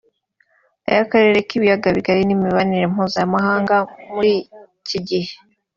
iy’Akarere k’Ibiyagabigari n’imibanire mpuzamahanga muri iki gihe